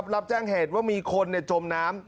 รับแจ้งเหตุว่ามีคนจมน้ำ